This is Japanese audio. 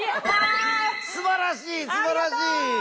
すばらしいすばらしい。